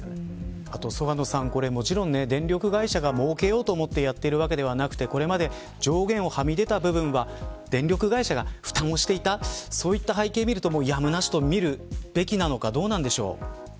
あと曽我野さん、もちろん電力会社が儲けようと思ってやっているわけでなくこれまで上限をはみ出た部分は電力会社が負担をしていたそういった背景を見べきなのかどうでしょう。